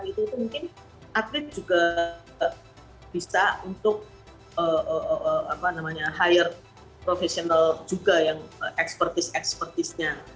itu mungkin atlet juga bisa untuk apa namanya hire professional juga yang expertise expertisenya